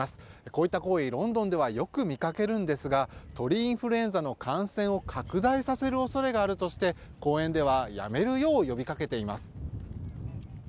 こういった行為、ロンドンではよく見かけるんですが鳥インフルエンザの感染を拡大させる恐れがあるとして公園ではやめるよう呼びかけています。